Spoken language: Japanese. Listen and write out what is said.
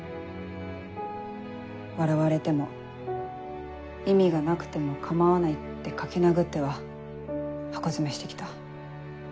笑われても意味がなくても構わないって書き殴っては箱詰めして来た。